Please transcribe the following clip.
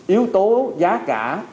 yếu tố giá cả